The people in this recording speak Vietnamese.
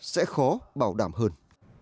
sẽ khó bảo đảm hơn